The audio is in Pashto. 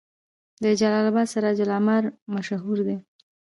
د جلال اباد سراج العمارت مشهور دی